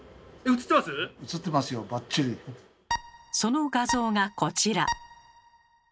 その画像がこちら。